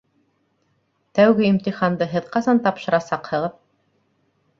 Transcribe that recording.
Тәүге имтиханды һеҙ ҡасан тапшырасаҡһығыҙ?